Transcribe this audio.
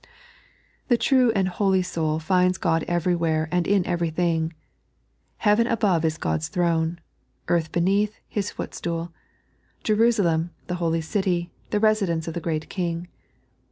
The true and holy soul finds God everywhere and in everything. Heaven above is God's throne ; earth beneath, His footstool; Jerusalem, the holy city, the residence of the great King.